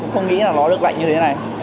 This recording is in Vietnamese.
không nghĩ là nó được lạnh như thế này